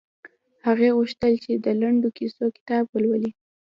هغه غوښتل چې د لنډو کیسو کتاب ولولي